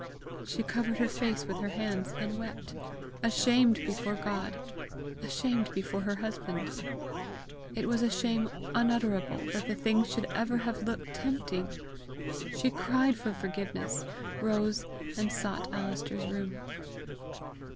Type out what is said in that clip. She covered her face with her hands and wept ashamed before God, ashamed before her husband. It was a shame unutterable that the thing should even have looked tempting! She cried for forgiveness, rose, and sought Alister's room.